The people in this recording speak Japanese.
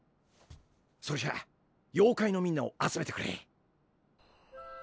それじゃあ妖怪のみんなを集めてくれ。